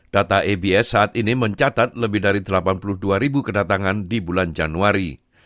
data abs saat ini mencatat lebih dari delapan puluh dua ribu kedatangan di bulan januari